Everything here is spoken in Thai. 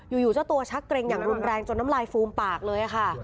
อยู่เจ้าตัวชักเกร็งอย่างรุนแรงจนน้ำลายฟูมปากเลยค่ะ